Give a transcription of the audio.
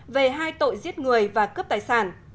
về hai tội giết người và cướp tài sản